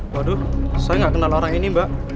waduh saya nggak kenal orang ini mbak